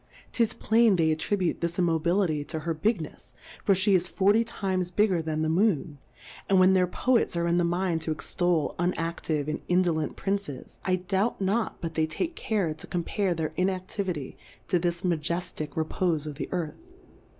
'Tis plain they attribute this Immobility to her Big nefs, for fhe is forty times bigger than the Moon, and when their Poets are in the mind to extol unaftive and indolent Princes, I doubt not but they take care to compare their Inactivity to this Majeftick Repofe of the Earth.